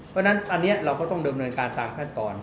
เพราะฉะนั้นอันนี้เราก็ต้องดำเนินการตามขั้นตอน